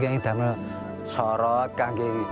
nah polisi lawan